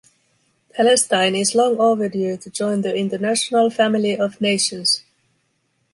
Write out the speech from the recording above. Palestine is long overdue to join the international family of nations.